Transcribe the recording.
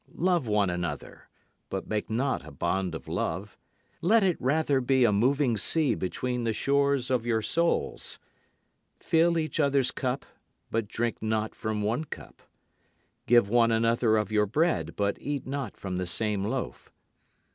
Love one another, but make not a bond of love: Let it rather be a moving sea between the shores of your souls. Fill each other's cup but drink not from one cup. Give one another of your bread but eat not from the same loaf.